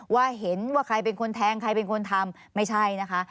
ว่าเห็นว่าใครเป็นคนแทงใครเป็นคนทำไม่ใช่นะคะ